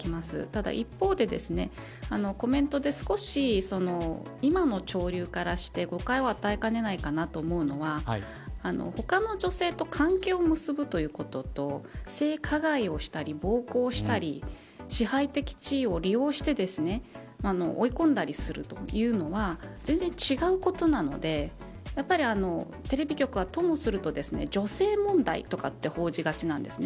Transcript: ただ一方で、コメントで少し今の潮流からして誤解を与えかねないかなと思うのが他の女性と関係を結ぶということと性加害をしたり、暴行したり支配的地位を利用して追い込んだりするというのは全然、違うことなのでやはり、テレビ局はともすると女性問題とかって報じがちなんです。